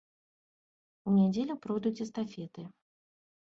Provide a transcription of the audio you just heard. У нядзелю пройдуць эстафеты.